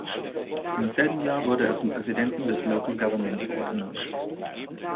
Im selben Jahr wurde er zum Präsidenten des "Local Government Board" ernannt.